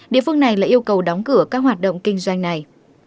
địa phương này lại yêu cầu đóng cửa các hoạt động kinh doanh này